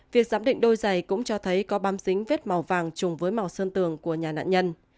việc giám định đôi giày cũng cho thấy có bám dính vết màu vàng chung với màu sơn tường của nhà nạn nhân